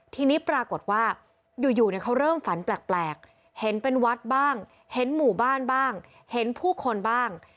ทีนี้ปรากฏว่าอยู่เขาเริ่มฝันแปลกเห็นเป็นวัดบ้างเห็นหมู่บ้านบ้างเห็นผู้คนบ้าง